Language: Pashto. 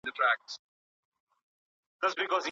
د نویو وسایلو راتګ د قلم ارزښت نسي کمولای.